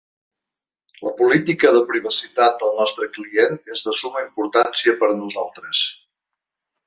La política de privacitat del nostre client és de summa importància per a nosaltres.